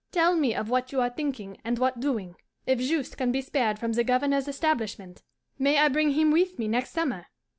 Tell me of what you are thinking and what doing. If Juste can be spared from the Governor's establishment, may I bring him with me next summer?